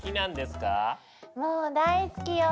もう大好きよ。